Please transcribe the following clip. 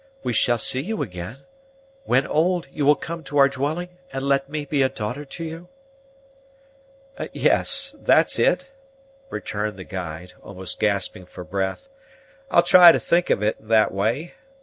We shall see you again. When old, you will come to our dwelling, and let me be a daughter to you?" "Yes, that's it," returned the guide, almost gasping for breath; "I'll try to think of it in that way.